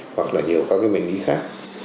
hoặc là nhiều các cái bệnh lý khác